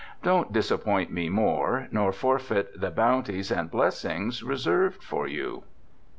Don't disappoint me more nor forfeit the bounties and blessings reserved for you.'